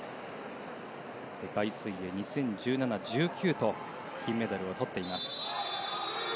世界水泳２０１７、２０１９と金メダルを取っています。